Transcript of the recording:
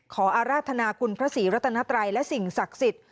อาราธนาคุณพระศรีรัตนัตรัยและสิ่งศักดิ์สิทธิ์